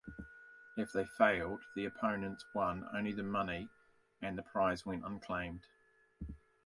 If they failed, the opponents won only the money and the prize went unclaimed.